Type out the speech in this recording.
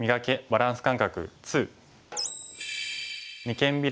バランス感覚２」。